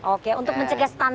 oke untuk mencegah stunting